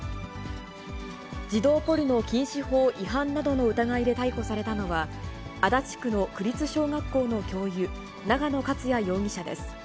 児童ポルノ禁止法違反などの疑いで逮捕されたのは、足立区の区立小学校の教諭、永野克弥容疑者です。